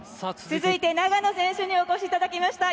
続いて長野選手にお越しいただきました。